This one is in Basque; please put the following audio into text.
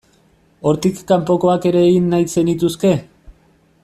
Hortik kanpokoak ere egin nahi zenituzke?